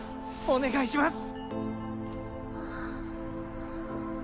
お願いします！